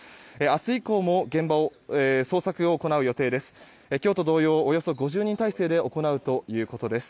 明日以降も現場の捜索を行う予定です。